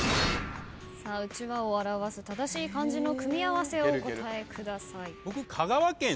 「うちわ」を表す正しい漢字の組み合わせをお答えください。